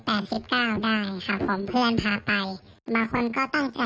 บางคนก็ตั้งใจมาจากหอจากบ้านตัวเองเพื่อมาหาอย่างนี้ครับ